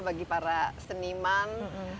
bagi para seniman